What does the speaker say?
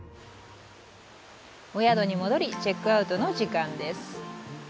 お宿に戻り、チェックアウトの時間です。